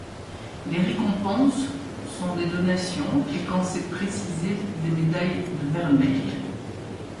Les récompenses sont des donations et quand c'est précisé des médailles de vermeil.